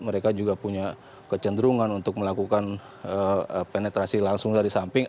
mereka juga punya kecenderungan untuk melakukan penetrasi langsung dari samping